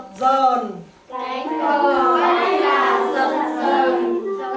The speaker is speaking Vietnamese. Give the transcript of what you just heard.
cánh cò bay lạ dập dờn